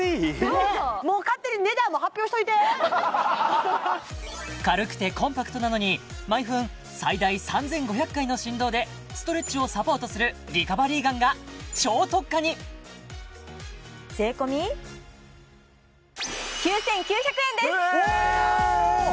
どうぞもう勝手に値段も発表しといて軽くてコンパクトなのに毎分最大３５００回の振動でストレッチをサポートするリカバリーガンが超特価に税込えーっ